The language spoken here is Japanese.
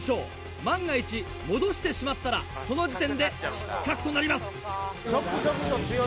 万が一戻してしまったらその時点で失格となります。